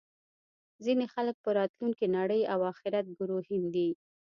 ځینې خلک په راتلونکې نړۍ او اخرت ګروهن دي